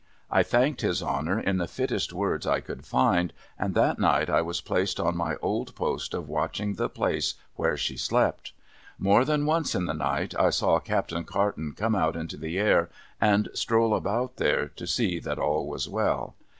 I thanked his honour in the fittest words I could find, and that night I was placed on my old post of watching the place where she slept. More than once in the night, I saw Captain Carton come out into the air, and stroll about there, to see that all was well.